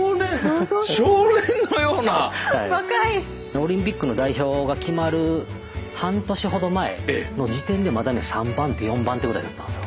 オリンピックの代表が決まる半年ほど前の時点でまだね３番手４番手ぐらいだったんですよ。